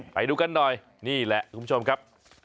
ไปดูกันหน่อยนี่แหละคุณผู้ชมครับ